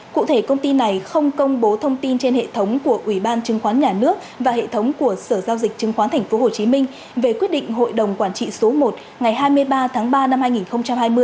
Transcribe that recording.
cụ thể công ty này không công bố thông tin trên hệ thống của ủy ban chứng khoán nhà nước và hệ thống của sở giao dịch chứng khoán tp hcm về quyết định hội đồng quản trị số một ngày hai mươi ba tháng ba năm hai nghìn hai mươi